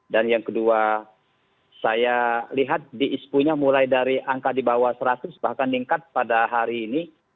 dan yang kedua saya lihat di ispunya mulai dari angka di bawah seratus bahkan meningkat pada hari ini